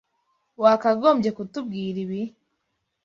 Wakagombye kutubwira ibi?